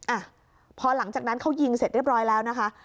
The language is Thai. อ่ะพอหลังจากนั้นเขายิงเสร็จเรียบร้อยแล้วนะคะ